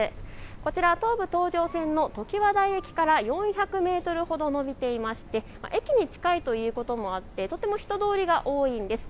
こちら東武東上線のときわ台駅から４００メートルほど延びていて駅に近いということもあってとても人通りが多いんです。